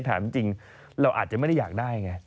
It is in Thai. ถามจริงเราอาจจะไม่ได้อยากได้ไง